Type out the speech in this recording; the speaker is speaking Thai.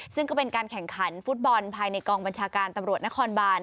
ซึ่งก็เป็นการแข่งขันฟุตบอลภายในกองบัญชาการตำรวจนครบาน